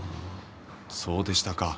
そうでしたか。